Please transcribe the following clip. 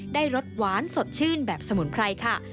รสหวานสดชื่นแบบสมุนไพรค่ะ